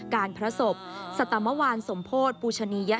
การพระศพสตมวันสมโภษปูชนิยะ